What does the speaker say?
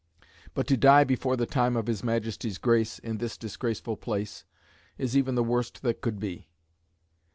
But to die before the time of his Majesty's grace, in this disgraceful place, is even the worst that could be."